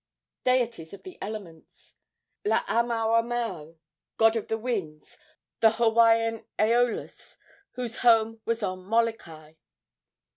Deities of the Elements. Laamaomao, god of the winds, the Hawaiian Æolus, whose home was on Molokai.